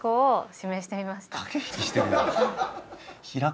駆け引きしてるやん。